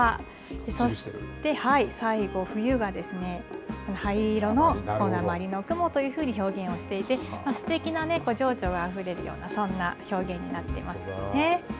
そして最後、冬が灰色の鉛の雲というふうに表現していて、すてきな情緒があふれるような、そんな表現になっていますね。